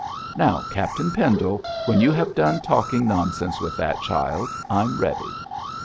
'Now, Captain Pendle, when you have done talking nonsense with that child I'm ready.'